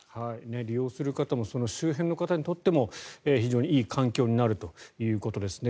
利用する方も周辺の方にとっても非常にいい環境になるということですね。